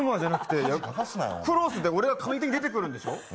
クロスで俺が出てくるんでしょ。